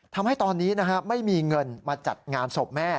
ทำให้ตอนนี้ไม่มีเงินมาจัดงานศพแม่